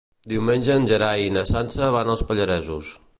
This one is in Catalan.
Diumenge en Gerai i na Sança van als Pallaresos.